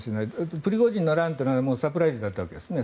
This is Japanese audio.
プリゴジンの乱はサプライズだったわけですね